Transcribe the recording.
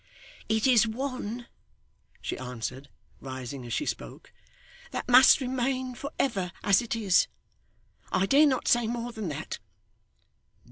'It is one,' she answered, rising as she spoke, 'that must remain for ever as it is. I dare not say more than that.